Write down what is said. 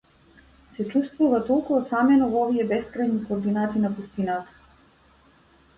Се чувствува толку осамено во овие бескрајни координати на пустината.